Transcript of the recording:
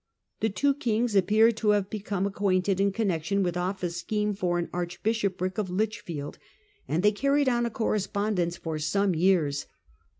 The two kings appear to have become ac quainted in connection with Offa's scheme for an Archbishopric of Lichfield, and they carried on a cor respondence for some years.